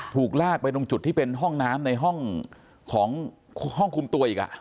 ถูกลากไปตรงจุดที่เป็นห้องน้ำในห้องของห้องคุมตัวอีก